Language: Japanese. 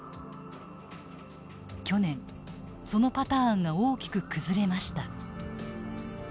去年そのパターンが大きく崩れました。